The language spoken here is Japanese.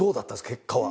結果は。